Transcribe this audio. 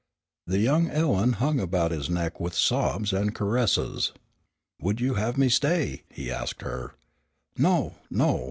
The young Ellen hung about his neck with sobs and caresses. "Would you have me stay?" he asked her. "No! no!